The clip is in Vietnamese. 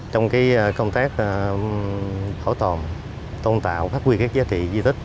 trong cái công tác hỗ tồn tôn tạo phát huy các giá trị di tích